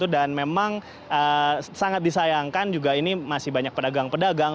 dan memang sangat disayangkan juga ini masih banyak pedagang pedagang